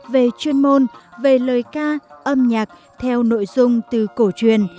về chuyên môn về lời ca âm nhạc theo nội dung từ cổ truyền